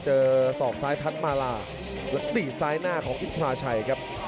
ศอกซ้ายพัดมาลาแล้วตีบซ้ายหน้าของอินทราชัยครับ